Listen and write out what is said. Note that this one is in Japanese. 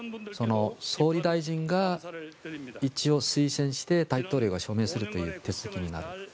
総理大臣が一応推薦して大統領が署名をするという手続き。